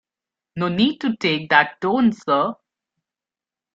No need to take that tone sir.